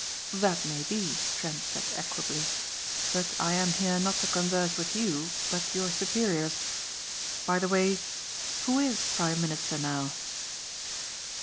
"That may be," Trent said equably, "but I am here not to converse with you but your superiors. By the way who is prime minister now?"